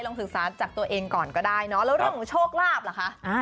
ศึกษาจากตัวเองก่อนก็ได้เนอะแล้วเรื่องของโชคลาภล่ะคะ